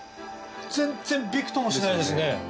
全然びくともしないですね。